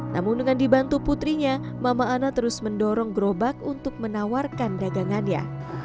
namun dengan dibantu putrinya mama ana terus mendorong gerobak untuk menawarkan dagangannya